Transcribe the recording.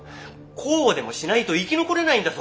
こうでもしないと生き残れないんだぞ！